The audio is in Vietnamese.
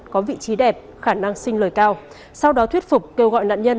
có vị trí đẹp khả năng sinh lời cao sau đó thuyết phục kêu gọi nạn nhân